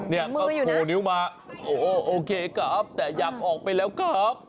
นี่ก็โผล่นิ้วมาโอเคครับแต่อยากออกไปแล้วครับ